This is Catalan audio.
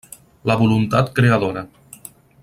La voluntat creadora.